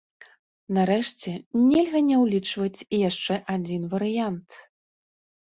Нарэшце, нельга не ўлічваць і яшчэ адзін варыянт.